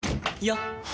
よっ！